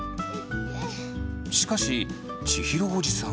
しかし千尋おじさんは。